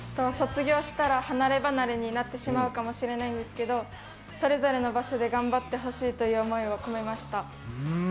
卒業したら、離れ離れになってしまうかもしれないんですけれども、それぞれの場所で頑張ってほしいという思いを込めました。